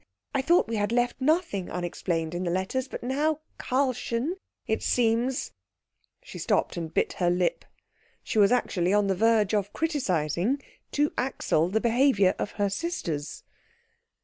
I thought we had left nothing unexplained in the letters, but now Karlchen it seems " She stopped and bit her lip. She was actually on the verge of criticising, to Axel, the behaviour of her sisters.